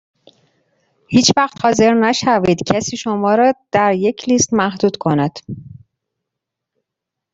هیچ وقت حاضر نشوید کسی شما در یک لیست محدود کند.